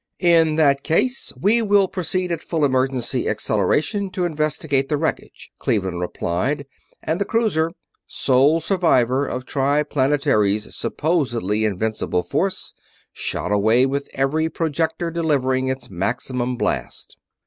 "In that case we will proceed at full emergency acceleration to investigate the wreckage," Cleveland replied, and the cruiser sole survivor of Triplanetary's supposedly invincible force shot away with every projector delivering its maximum blast.